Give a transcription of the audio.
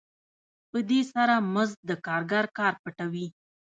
په دې سره مزد د کارګر کار پټوي